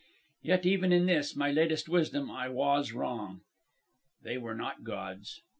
"Yet even in this, my latest wisdom, I was wrong. They were not gods.